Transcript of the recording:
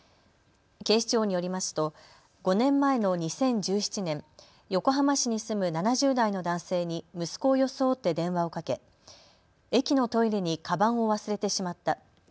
警視庁によりますと５年前の２０１７年、横浜市に住む７０代の男性に息子を装って電話をかけ駅のトイレにかばんを忘れてしまった。